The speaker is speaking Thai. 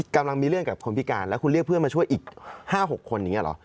กำลังมีเรื่องกับคนพิการแล้วคุณเรียกเพื่อนมาช่วยอีก๕๖คนอย่างนี้เหรอ